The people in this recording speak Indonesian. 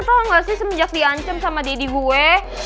tau gak sih semenjak diancam sama daddy gue